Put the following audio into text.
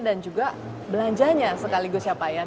dan juga belanjanya sekaligus siapa ya